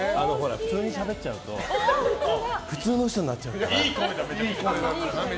普通にしゃべっちゃうと普通の人になっちゃうから。